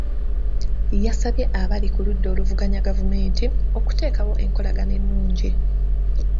Yasabye abali ku ludda oluvuganya gavumenti, okuteekawo enkolagana ennungi.